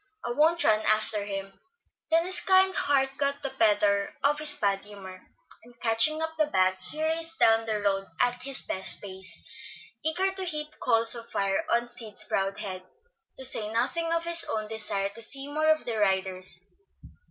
I won't run after him;" then his kind heart got the better of his bad humor, and catching up the bag he raced down the road at his best pace, eager to heap coals of fire on Sid's proud head, to say nothing of his own desire to see more of the riders.